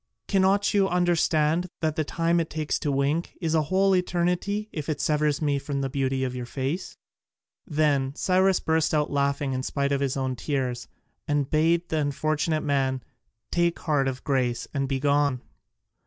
Cannot you understand that the time it takes to wink is a whole eternity if it severs me from the beauty of your face?" Then Cyrus burst out laughing in spite of his own tears, and bade the unfortunate man take heart of grace and be gone.